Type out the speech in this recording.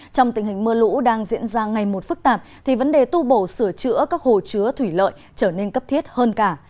trong tình hình mưa lũ đang diễn ra ngày một phức tạp thì vấn đề tu bổ sửa chữa các hồ chứa thủy lợi trở nên cấp thiết hơn cả